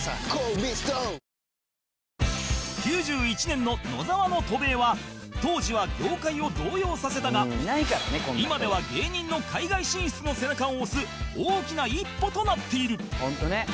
９１年の野沢の渡米は当時は業界を動揺させたが今では芸人の海外進出の背中を押す大きな一歩となっている